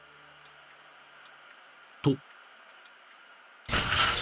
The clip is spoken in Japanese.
［と］